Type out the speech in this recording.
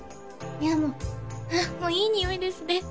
もうああもういいにおいですね